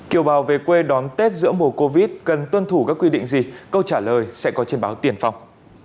kiều bào về quê đón tết giữa mùa covid cần tuân thủ các quy định gì câu trả lời sẽ có trên báo tiền phong